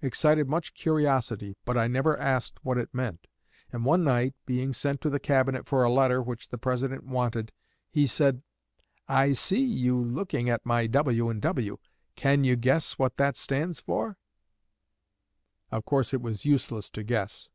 excited much curiosity, but I never asked what it meant, and one night, being sent to the cabinet for a letter which the President wanted, he said, 'I see you looking at my "W. & W." Can you guess what that stands for?' Of course it was useless to guess.